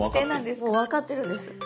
もう分かってるんです。